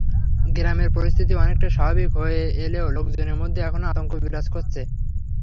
গ্রামের পরিস্থিতি অনেকটাই স্বাভাবিক হয়ে এলেও লোকজনের মধ্যে এখনো আতঙ্ক বিরাজ করছে।